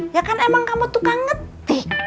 ya kan emang kamu tukang ngetik